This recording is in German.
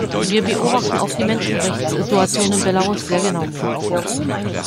Wir beobachten auch die Menschenrechtssituation in Belarus sehr genau.